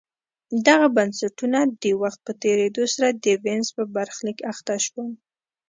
دغه بنسټونه د وخت په تېرېدو سره د وینز په برخلیک اخته شول